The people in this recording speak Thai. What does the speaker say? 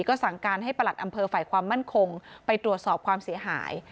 ก็สั่งการให้ประหลัดอำเภอฝ่ายความมั่นคงไปตรวจสอบความเสียหาย